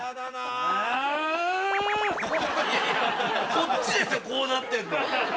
こっちですよこうなってんのは。